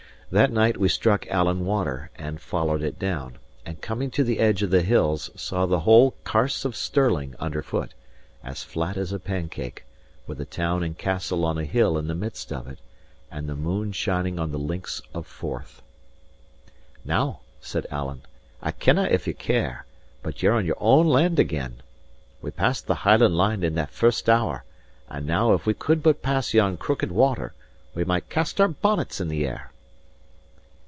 That night we struck Allan Water, and followed it down; and coming to the edge of the hills saw the whole Carse of Stirling underfoot, as flat as a pancake, with the town and castle on a hill in the midst of it, and the moon shining on the Links of Forth. "Now," said Alan, "I kenna if ye care, but ye're in your own land again. We passed the Hieland Line in the first hour; and now if we could but pass yon crooked water, we might cast our bonnets in the air."